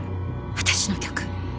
私の曲